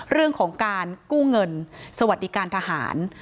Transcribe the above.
เรื่องของการกู้เงินสวัสดิการทหาร